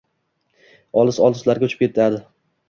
Olis-olislarga uchib yetadi